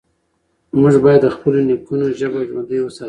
موږ بايد د خپلو نيکونو ژبه ژوندۍ وساتو.